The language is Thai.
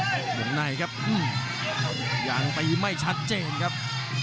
วงในครับยังตีไม่ชัดเจนครับ